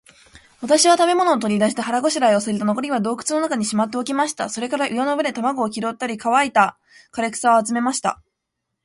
私は食物を取り出して、腹ごしらえをすると、残りは洞穴の中にしまっておきました。それから岩の上で卵を拾ったり、乾いた枯草を集めました。